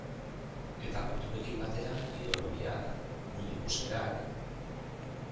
Eta kulturekin batera ideologiak, mundu ikuskerak...